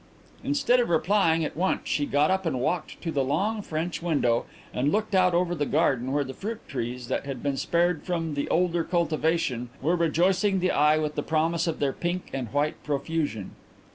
Instead of replying at once she got up and walked to the long French window and looked out over the garden where the fruit trees that had been spared from the older cultivation were rejoicing the eye with the promise of their pink and white profusion.